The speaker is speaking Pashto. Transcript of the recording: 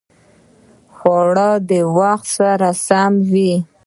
خوړل د وخت سره سم وي